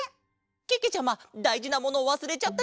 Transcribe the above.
けけちゃまだいじなものをわすれちゃったケロ！